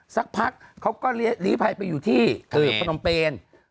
สักพักเขาก็หลีภัยไปอยู่ที่พนมเปญ